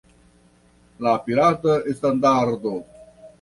La pirata standardo!